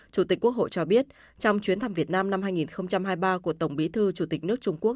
chủ tịch quốc hội cho biết trong chuyến thăm việt nam năm hai nghìn hai mươi ba của tổng bí thư chủ tịch nước trung quốc